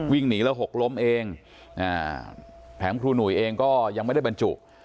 วิ่งหนีแล้วหกล้มเองแถมครูหนุ่ยเองก็ยังไม่ได้บรรจุ